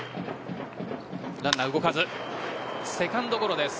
ランナー動かずセカンドゴロです。